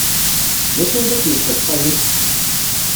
D acu ay la k-yesseḍsayen?